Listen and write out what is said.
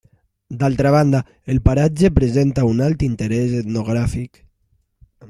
D'altra banda, el paratge presenta un alt interés etnogràfic.